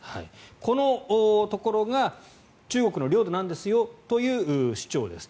このところが中国の領土なんですよという主張です。